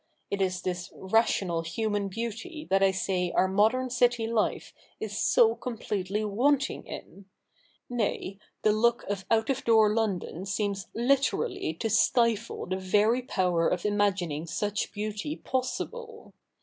It is this rational human beauty that I say our modern city life is so completely wanting in ; nay, the look of out of door London seems literally to stifle the very power of imagining such beauty possible.